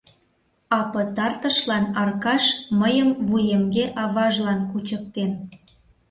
А пытартышлан Аркаш мыйым вуемге аважлан кучыктен.